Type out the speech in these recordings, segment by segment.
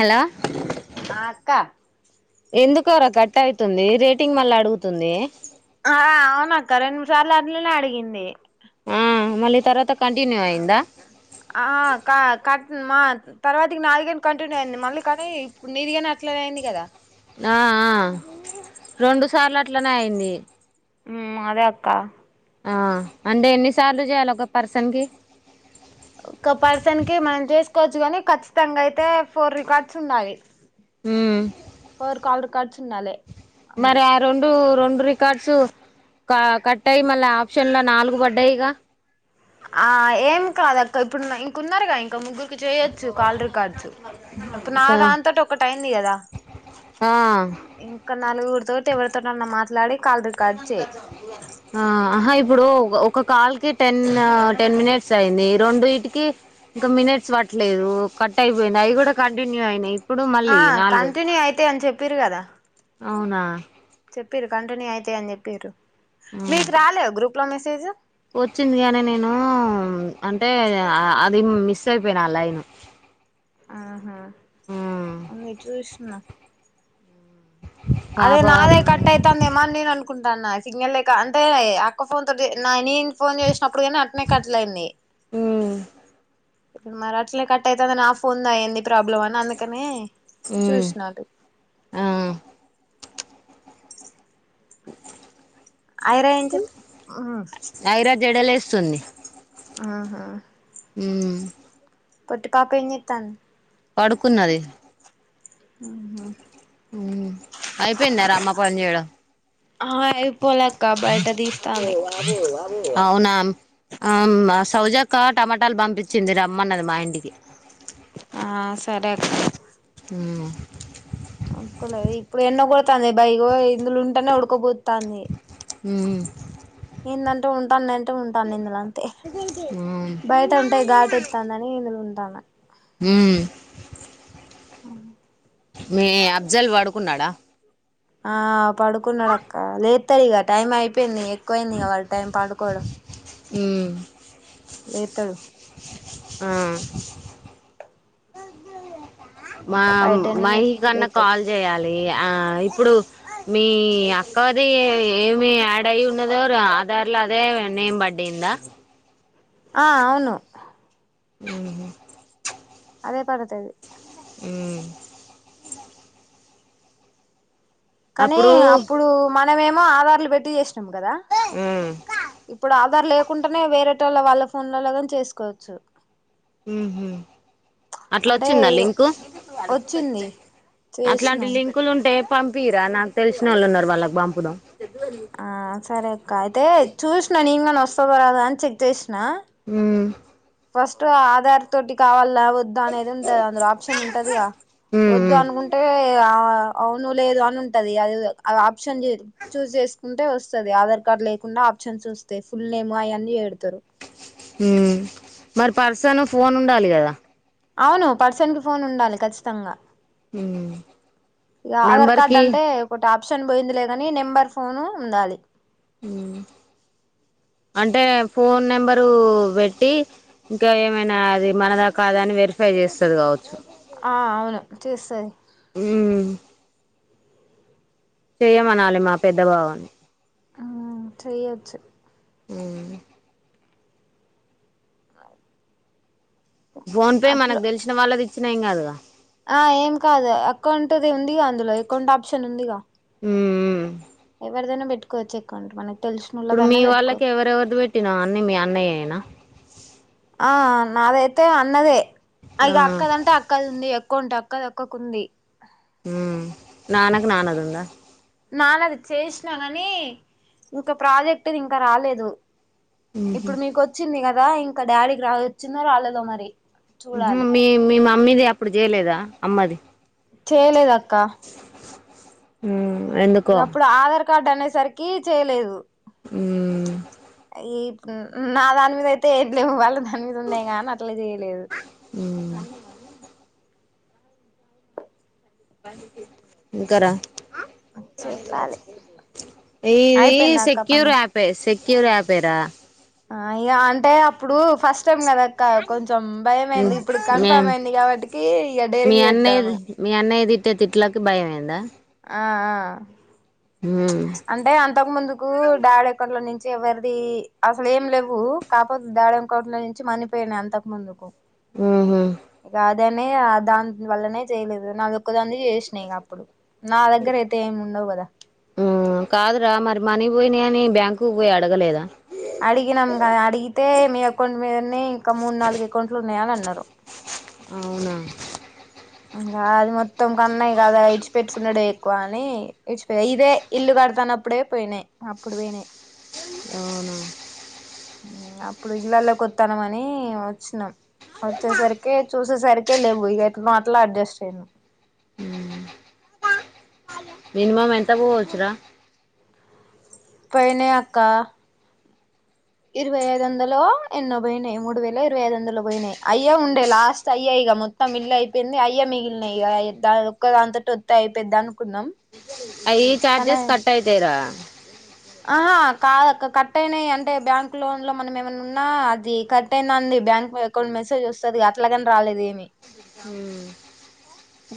Hello ఆ అక్క ఎందుకు కర కట్ అయతుంది రేటింగ్ మళ్ళా అడుగుతుంది ఆ అవున అక్క రెండుముడు సార్లు అట్లానే అడిగింది ఆ మళ్ళీ తర్వాత కంటిన్యూ అయిందా ఆ క కట్ మా తర్వాతి నదిగిని కంటిన్యూ అయింది మళ్ళీ కానీ ఇప్పుడు నీది గాన ఇట్లా పోయింది కదా ఆ ఆ రెండు సార్లు అట్లనే అయింది ఉ అదే అక్కా ఆ అంటే ఎన్ని సార్లు చేయాలి ఒక పర్సన్ కి ఒక పర్సన్ కి మనం చేసుకోవచ్చు కాని ఖచ్చితంగా అయితే ఫోర్ రికార్డ్స్ ఉండలి ఉమ్ పోర్ కాల్ రికార్డ్స్ ఉండాలే మరి ఆ రెండు రెండు రికార్డ్స్ క కట్టాయి మళ్ళీ ఆప్షన్ లో నాలుగు పడ్డాయిగా ఆ ఏం కాదక్క ఇప్పుడు ఇంకన్నారుగా ఇంకా ముగ్గురు చేయొచ్చు కాల్ రికార్డ్స్ ఇప్పుడు నా స దానీతోటి ఒకటి అయింది కదా ఆ ఇంకా నలుగురితోటి ఎవరితోనన్న మాట్లాడి కాల్ రికార్డ్ చేయి ఆ ఆహా ఇప్పుడు ఒక కాల్ కి టెన్ టెన్ మినిట్స్ అయింది రెండు ఇటికి ఇంకా మినిట్స్ పట్లేదు కట్ అయిపోయింది అవి కూడా కంటిన్యూ అయినాయి ఇప్పుడు ఆ మళ్ళీ నాలుగు కంటిన్యూ అయితే అని చెప్పిర్రు కదా అవునా చెప్పిర్రు కంటిన్యూ అయితాయి అని చెప్పిర్రు ఉమ్. మీకు రాలే గ్రూప్లో మెసేజ్ వచ్చింది గానీ నేను అంటే అది మిస్ అయిపోయినా ఆ లైన్ ఆహా నా అదే పాప నాదే కట్ అయితందేమని నేను అనుకుంటా న్న సిగ్నల్ లేక అంటే అక్క ఫోన్ తోటి నా నేన్ ఫోన్ చేసినప్పుడైనా అట్నే కట్ జేయండి ఉమ్, మరాట్నే కట్ అయితంది నా ఫోన్ దా ఎంది ప్రాబ్లమ్ అని అందుకనే ఉమ్, చూసినాటు ఆ ఐరా ఏం చెత్ మ్ ఐరా జడలేస్తుంది ఆహా హ్మ్ పొట్టిపాప ఎం జేతంది పడుకున్నది. ఉమ్ ఊమ్, అయిపొయింద రామ్మ ఫోన్ ఆహ, అయ్ పొలె అక్క బయట దీస్తాని. ఔనామ్. ఆమ్ అ సౌజక్క టమటాల్ బంపిచ్చింది. రమ్మన్నది మా ఇంటికి. ఆ సరె అక్క, ఊహ్ అంతలె ఇప్పుడు ఎండ గొడతాంది. బై యిగొ ఇందులొ ఉంటెనె ఉడకబోత్తాంది. మ్ యేందంటే ఉంటాన్ అంటే, ఉంటాన్ నిందుల అంతె, మ్ బయట ఉంటయ్, ఘాటు వత్తాందనీ, ఇందులొ ఉంట- హూమ్ మీ అబ్జల్ వడుకున్నాడ? ఆ -పడుకున్నడక్క లేతై ఇగ టైం అయ్ పొయింది. ఎక్కువ అయింది. ఇగ వాడ్ టైం పడుకోడం. ఊమ్, లేతాడు ఆ- ఒక ఫైవ్ మామ్, టెన్ మినిట్స్ మయన కన్న లేతాడు కాల్ జెయాలీ ఆ యిప్పుడు, మీ అక్కది ఏమేమి యాడ్ అయి ఉన్నదొ రా ఆధార్ ల అదె నేమ్ బడింది. యిందా ఆ ఔను. ఉహు, అదె పడతది ఉమ్ కాని అప్పుడు అప్పుడు మనవేమొ ఆధార్లు బెట్టి జేస్ నమ్ గద, మ్ ఇప్పుడు ఆద్- ఆదార్ లేకుంటనె వేరెటోళ్ళ, వాళ్ళ ఫోన్లలొగాని చేస్ కోవచ్చు. ఊహు అట్ల అంటే ఒచ్చింద లింకు, వచ్చింది అట్లాంటి చేసినాం లింకులుంటె? పంపియర, నాక్ తెల్ సినోళ్ళు ఉన్నరు, వాళ్ళకి బంపుదం. ఆ సరె అక్క అయితే, చూస్ న నీంగాని వస్తదొ రాదొ అని చెక్ జేస్- ఊమ్ ఫస్టు ఆధార్ తోటి కావల్- అల వద్దు అనేది ఉంటది, అందులొ ఆప్షన్ ఉంటది, ఇగ ఉమ్ వద్దు అనుకుంటే ఆ- ఔను లేదు అన్ ఉంటది. అదేదొ అగ్ ఆప్షన్ లేదు, చూజ్ జేస్ కుంటె వస్తది. ఆధార్ కార్డ్ లేకుండ- చన్స్ వస్తె, ఫుల్ ఏము అయన్ని యేడుతారు. ఉమ్మ్, ఉమ్మ్, మర్ పర్సును ఫోన్ ఉండాలి గద? ఔను, పర్సన్ కి ఫోన్ ఉండలి ఖచ్చితంగ. ఉమ్ యిగ ఆధార్ కార్డ్ నెంబర్కి అంటె, ఒక టాపిక్ - ఆప్షన్ బొయిందిలెగాని, నెంబర్ ఫోను ఉండాలి. ఊ అంటె ఫోన్ నెంబరూ బెట్టి, ఇంక ఏమైన అది మనద కాద అని వెరిఫై? జెస్తరు కావచ్చు. ఆ ఆ అ ఔను చేస్తది. ఉమ్ చెయ్యమనాలి మా పెద్ద బావ ఆ చెయ్యెచ్చు ఉమ్మ్ ఫోన్ పే అట్లు మనకి తెలిసిన వాళ్ళది యిచ్చిన ఏం గాదుగా ఆ ఏం కాదు అకౌంటుది ఉందిగ అందులో ఎకౌంట్ ఆప్షన్ ఉందిగ ఉమ్మ్ ఉమ్మ్ ఎవరిదైన బెట్టుకోచ్చు ఎకౌంట్ మనకి ఇప్పుడు మీ వాళ్ళకి ఎవరెవరిది పెట్టినావ్ అన్ని మీ అన్న యేన ఆ నాదైతె అన్నదే అయ్ ఆ ఇగ అక్కదంటే అక్కది ఉంది అక్ కొంట్ అక్కది అక్కకుంది హ్మ్ నాన్నకు నాన్నది ఉందా నాన్నది చేసిన గాని ఇంకా ప్రాజెక్ట్ ది ఇంకా రాలేదు ఇప్పుడు మీకు వచ్చింది కదా ఇంకా డాడీకి రాలే వచ్చిందో రాలేదో మరి ఉమ్ చూడాలి మీ మీ మమ్మీది అప్పుడు చేయలేదా అమ్మది చేయలేదక్క ఉమ్ ఎందుకో ఇగ అప్పుడు ఆధార్ కార్డు అనేసరికి చేయలేదు ఉమ్ ఈ నా దాని మీద అయితే ఏం లేవు వాళ్ళ అనిది ఉన్నాయి కానీ అట్లా చేయలేదు ఇగ్గర చెప్పాలి ఇది అయిపోయిందా అక్క సెక్యూర్ పని యాపే సెక్ సెక్యూర్ యాప్ ఏ రా ఆ ఇగ అంటే అప్పుడు ఫస్ట్ ఇష్టం కదక్క కొంచెం భయం అయింది ఇప్పుడు మేం కన్ఫామ్ అయింది కాబట్టికి ఇక డైలీ మీ చెత్తను అన్నయ్యది మీ అన్నయ్య తిట్టే తిట్లకి భయం అయిందా ఆ ఆ ఉమ్ అంటే అంతకు ముందుకు డాడీ అకౌంట్లో నుంచి ఎవరిది అసలు ఏం లెవ్వు కాపోతే డాడీ అకౌంట్లో నుంచి మని పోయినాయి అంతకు ముందుకు హ్మ్ హు రాదనే ఆ దాన్ వలనే చేయలేదు నా ఒక్క దానిది చేసినాయి అప్పుడు నా దగ్గర అయితే ఏమి ఉండవు కదా పోయినయి అని బ్యాంకుకు పోయి అడగలేదా అడిగినాం అడిగితే మీ అకౌంట్ మీదనే ఇంకా మూడు నాలుగు అకౌంట్లు ఉన్నాయని అన్నారు అవునా ఇంకా అది మొత్తం కన్నాయి కదా ఇడిచిపెట్టుకున్నాడు ఎక్కువ అని ఇడిచిపో ఇదే ఇల్లు కడత సన్న అప్పుడే పోయినాయి అప్పుడు పోయినాయి అవునా అప్పుడు ఇళ్లల్లోకి వత్తన్నమని వచ్చినాం వచ్చేసరికి చూసేసరికే లెవ్వు ఇక ఎటునో అట్లా అడ్జస్ట్ అయ్యినం హ్మ్ మినిమమ్ ఎంత పోవచ్చురా పోయినాయి అక్క ఇరవై ఐదు వందలో ఎన్నో పోయినాయి మూడు వేల ఇరవై ఐదు వందలు పోయినాయి అయ్యే ఉండే లాస్ట్ అయ్యే ఇక మొత్తం ఇళ్లయిపోయింది అయ్యే మిగిలినయి ఇగ ఒక్క దానితోటి వత్తయి పెద్ద అనుకున్నాం అయ్యే చార్జెస్ కట్ అయితాయిరా ఆహ కాదక్క కట్ అయినాయి అంటే బ్యాంక్ లోన్ లో మనం ఏమైన ఉన్నా అది కట్ అయినాంది బ్యాంక్ అకౌంట్ మెసేజ్ వస్తుంది అట్లాగని రాలేద్ ఏమి హ్మ్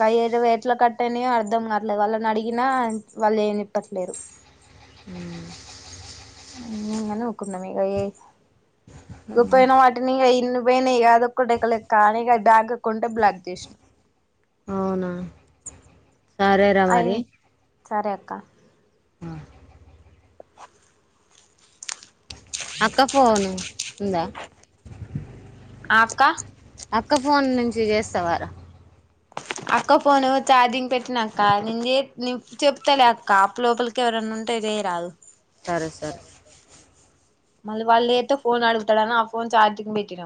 అ ఎట్లా కట్టయినవో అర్ధం కాట్లేదు వాళ్ళని అడిగినా వాళ్ళు ఏమి చెప్పట్లేరు హ్మ్ ఇగ కుంద మీగ ఇకపోయినా వాటిని ఇన్ని పోయినా ఏదో ఒక కానీ బ్యాగ అకుౌంటే బ్లాక్ చేసా అవునా సరేరా అయి్య మరి సరే అక్క ఆ అక్క ఫోన్ ఉంద ఆ అక్క అక్క ఫో ఫోన్ నుంచి చేస్తేవారుా అక్క ఫోను ఛార్జింగ్ పెట్టినాక్క నేను చెప్తాలే అక్క అప్పు లోపలికి ఎవరైన్నా ఉంటే తే రాదు సరే సరే మళ్ళీ వాళ్ళు లేతే ఫోన్ అడుగుతడని ఆ ఫోన్ చార్జింగ్ వెట్టిన